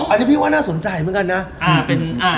อันนี้พี่ว่าน่าสนใจเหมือนกันนะ